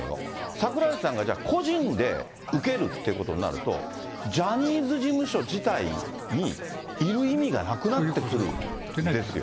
櫻井さんがじゃあ、個人で受けるってことになると、ジャニーズ事務所自体にいる意味がなくなってくるんですよ。